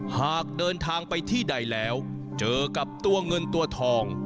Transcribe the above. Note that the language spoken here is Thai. หากเดินทางไปที่ใดแล้วเจอกับตัวเงินตัวทอง